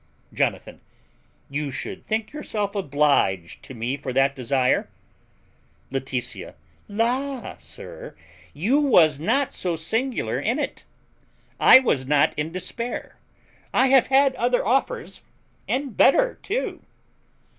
Jonathan. You should think yourself obliged to me for that desire. Laetitia. La, sir! you was not so singular in it. I was not in despair. I have had other offers, and better too.